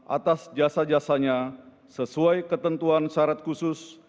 atas jasa jasanya sesuai ketentuan syarat khusus